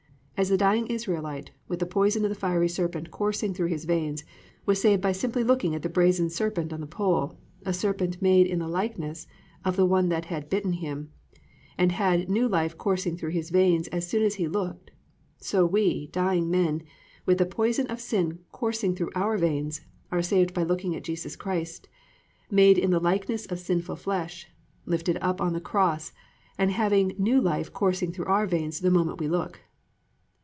As the dying Israelite with the poison of the fiery serpent coursing through his veins, was saved by simply looking at the brazen serpent on the pole, a serpent made in the likeness of the one that had bitten him, and had new life coursing through his veins as soon as he looked, so we dying men, with the poison of sin coursing through our veins, are saved by looking at Jesus Christ "Made in the likeness of sinful flesh," lifted up on the cross, and have new life coursing through our veins the moment we look.